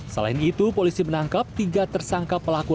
selain itu polisi menangkap tiga tersangka pelaku